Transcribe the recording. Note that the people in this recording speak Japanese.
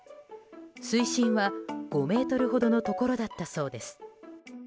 水深は５ｍほどのところだったそうです。